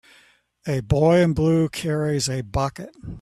a boy in blue carries a bucket